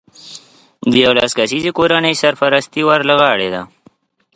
د یولس کسیزې کورنۍ سرپرستي ور له غاړې ده